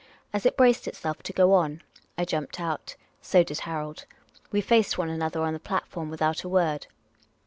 As it braced itself to go on, I jumped out ; so did Harold. We faced one another on the platform without a word.